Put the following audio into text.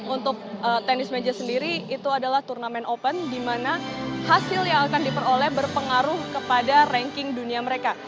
untuk tenis meja sendiri itu adalah turnamen open di mana hasil yang akan diperoleh berpengaruh kepada ranking dunia mereka